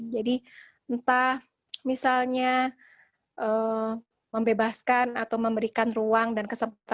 jadi entah misalnya membebaskan atau memberikan ruang dan kesempatan